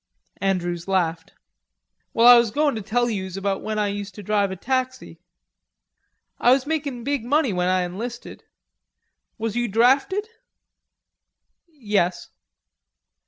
Andrews laughed. "Well, I was goin' to tell youse about when I used to drive a taxi. I was makin' big money when I enlisted. Was you drafted?" "Yes."